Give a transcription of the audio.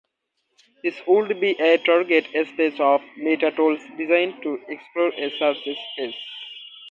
This would be a target space of meta-tools designed to explore a search space.